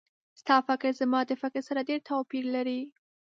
ستا فکر زما د فکر سره ډېر توپیر لري